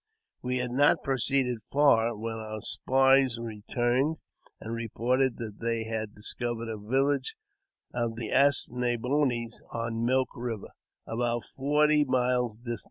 We had not proceeded far when our spies returned, and reported that they had discovered a village of the As ne boines on Milk Eiver, about forty miles distant.